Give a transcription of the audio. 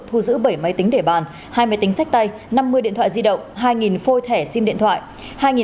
thu giữ bảy máy tính để bàn hai máy tính sách tay năm mươi điện thoại di động hai phôi thẻ sim điện thoại